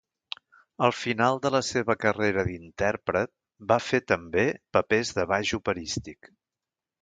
Al final de la seva carrera d'intèrpret va fer també papers de baix operístic.